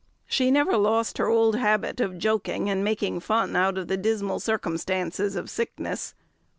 She never lost her old habit of joking and making fun out of the dismal circumstances of sickness.